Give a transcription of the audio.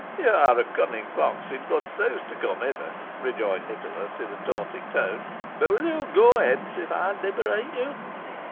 "You were a cunning fox, in good sooth, to come hither," rejoined Nicholas, in a taunting tone; "but will you go hence if I liberate you?"